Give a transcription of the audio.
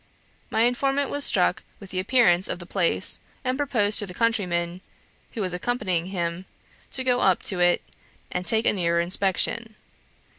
My informant was struck with the appearance of the place, and proposed to the countryman who was accompanying him, to go up to it and take a nearer inspection.